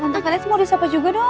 tante felis mau di siapa juga dong